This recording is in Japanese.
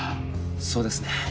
そうですね。